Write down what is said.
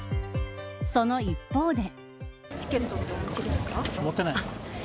その一方で。